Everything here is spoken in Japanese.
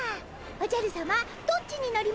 おじゃるさまどっちに乗りまする？